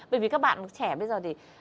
bởi vì các bạn trẻ bây giờ thì